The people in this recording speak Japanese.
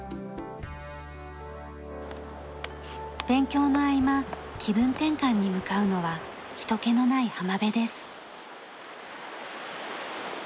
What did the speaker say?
勉強の合間気分転換に向かうのは人けのない浜辺です。